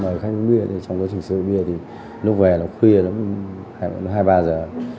mời khách uống bia trong quá trình sử dụng bia thì lúc về là khuya lắm hai ba giờ